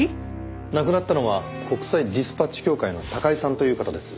亡くなったのは国際ディスパッチ協会の高井さんという方です。